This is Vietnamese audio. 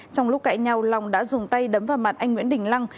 trong lúc cãi nhau long đã dùng tay đấm vào mặt anh nguyễn đình lăng